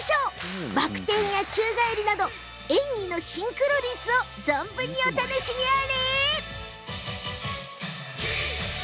バク転や宙返りなど演技のシンクロ率をお楽しみあれ。